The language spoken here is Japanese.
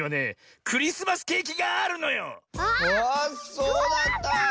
そうだった。